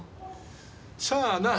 さあな。